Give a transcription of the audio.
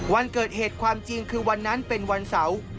วันเกิดเหตุความจริงคือวันนั้นเป็นวันเสาร์